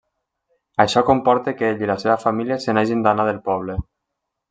Això comporta que ell i la seva família se n'hagin d'anar del poble.